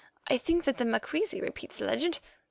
I think that the Makreezi repeats the legend.